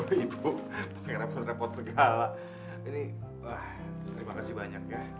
aduh ibu panggil repot repot segala ini terima kasih banyak ya